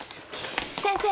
先生。